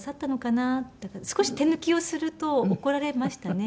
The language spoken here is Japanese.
だから少し手抜きをすると怒られましたね。